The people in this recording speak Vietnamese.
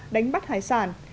đánh bắt hải sản